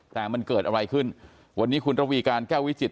แต่มันเกิดอะไรขึ้นวันนี้คุณระวีการแก้ววิจิต